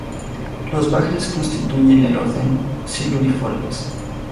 Los bagres constituyen el orden Siluriformes.